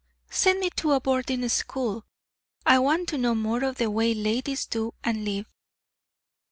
"Send me to boarding school. I want to know more of the way ladies do and live.